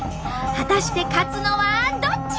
果たして勝つのはどっち！？